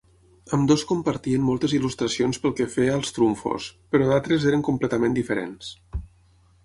Ambdues compartien moltes il·lustracions pel que feia als trumfos, però d'altres eren completament diferents.